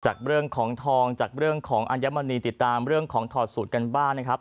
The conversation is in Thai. จากเรื่องของทองจากเรื่องของอัญมณีติดตามเรื่องของถอดสูตรกันบ้างนะครับ